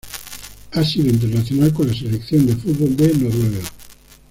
Ha sido internacional con la selección de fútbol de Noruega.